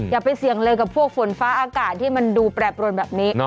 อย่าไปเสี่ยงเลยกับพวกฝนฟ้าอากาศที่มันดูแปรปรวนแบบนี้